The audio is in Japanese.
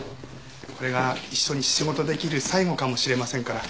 これが一緒に仕事できる最後かもしれませんから。